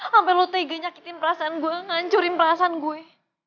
sampai lo tega nyakitin perasaan gue ngancurin perasaan gue